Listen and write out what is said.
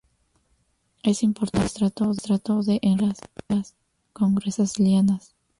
Es importante el estrato de enredaderas, con gruesas lianas.